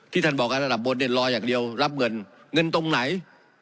ท่านบอกระดับบนเนี่ยรออย่างเดียวรับเงินเงินตรงไหน